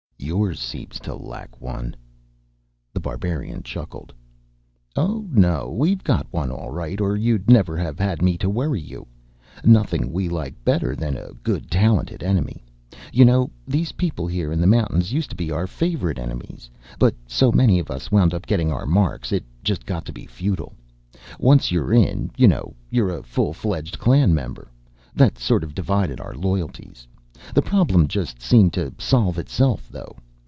"Yours seems to lack one." The Barbarian chuckled. "Oh, no. We've got one, all right, or you'd never have had me to worry you. Nothing we like better than a good, talented enemy. You know, these people here in the mountains used to be our favorite enemies. But so many of us wound up getting our marks, it just got to be futile. Once you're in, you know, you're a full fledged clan member. That sort of divided our loyalties. The problem just seemed to solve itself, though.